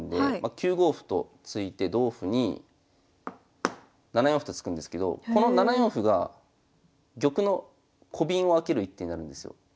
９五歩と突いて同歩に７四歩と突くんですけどこの７四歩が玉のコビンを開ける一手になるんですよ。